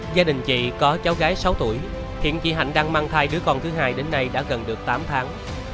gia đình chị có cháu gái sáu tuổi hiện chị hạnh đang mang thai đứa con thứ hai đến nay đã gần được tám tháng